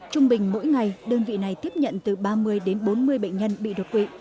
trung bình mỗi ngày đơn vị này tiếp nhận từ ba mươi đến bốn mươi bệnh nhân bị đột quỵ